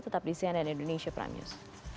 tetap di cnn indonesia prime news